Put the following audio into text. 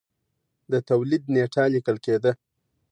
د تولید نېټه لیکل کېده.